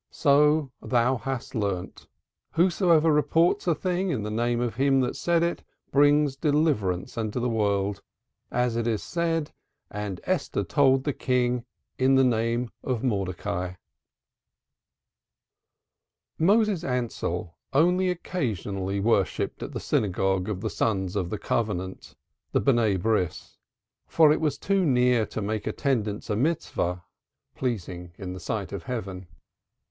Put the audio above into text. So thou hast learnt. Whosoever reports a thing in the name of him that said it brings deliverance into the world, as it is said And Esther told the King in the name of Mordecai." (Ethics of the Fathers, Singer's translation.) Moses Ansell only occasionally worshipped at the synagogue of "The Sons of the Covenant," for it was too near to make attendance a Mitzvah, pleasing in the sight of Heaven.